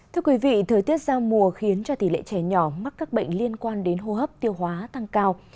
thưa quý vị thời tiết giao mùa khiến cho tỷ lệ trẻ nhỏ mắc các bệnh liên quan đến hô hấp tiêu hóa tăng cao